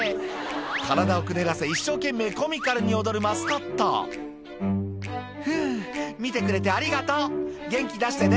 体をくねらせ一生懸命コミカルに踊るマスコット「ふぅ見てくれてありがとう元気出してね」